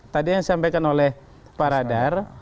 tadi yang disampaikan oleh pak radar